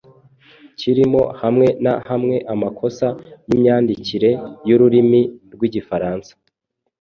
Kirimo hamwe na hamwe amakosa y'imyandikire y'ururimi rw'Igifaransa